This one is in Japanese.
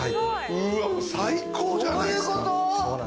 うわ最高じゃないですか。